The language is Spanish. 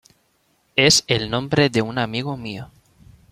Es el nombre de un amigo mío.